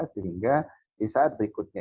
sehingga di saat berikutnya